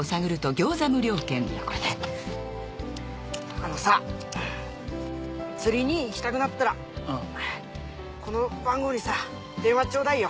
あのさ釣りに行きたくなったらこの番号にさ電話ちょうだいよ。